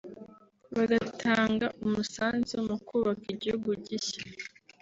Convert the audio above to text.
bagatanga umusanzu mu kubaka igihugu gishya